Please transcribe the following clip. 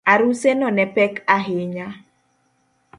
Aruseno ne pek ahinya